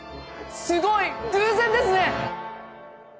すごい偶然ですね！